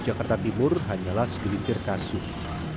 jakarta timur hanyalah segelintir kasus